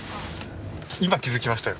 今気付きましたよ。